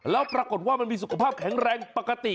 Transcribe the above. แล้วปรากฏว่ามันมีสุขภาพแข็งแรงปกติ